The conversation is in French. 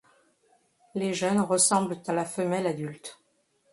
Les jeunes ressemblent à la femelle adulte.